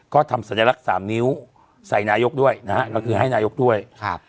ก็ทำสัญลักษณ์สามนิ้วใส่นายกด้วยนะฮะก็คือให้นายกด้วยครับ